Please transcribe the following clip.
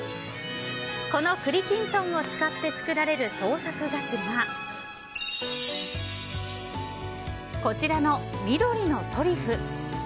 この栗きんとんを使って作られる創作菓子はこちらの、緑のトリフ。